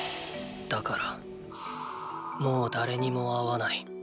だからもう誰にも会わない。